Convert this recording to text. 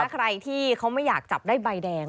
ใครที่เขาไม่อยากจับได้ใบแดง